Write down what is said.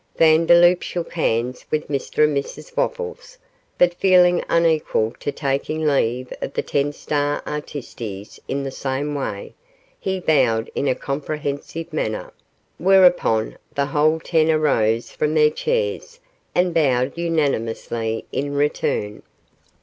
Vandeloup shook hands with Mr and Mrs Wopples, but feeling unequal to taking leave of the ten star artistes in the same way, he bowed in a comprehensive manner, whereupon the whole ten arose from their chairs and bowed unanimously in return.